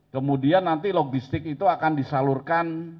kemudian nanti logistik itu akan disalurkan